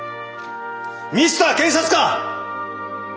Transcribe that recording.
ミスター検察官！